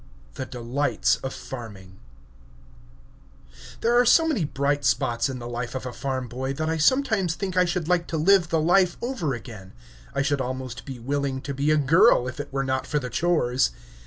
THE DELIGHTS OF FARMING There are so many bright spots in the life of a farm boy, that I sometimes think I should like to live the life over again; I should almost be willing to be a girl if it were not for the chores.